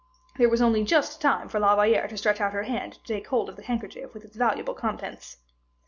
There was only just time for La Valliere to stretch out her hand to take hold of the handkerchief with its valuable contents.